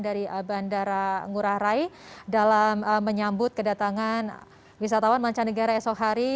dari bandara ngurah rai dalam menyambut kedatangan wisatawan mancanegara esok hari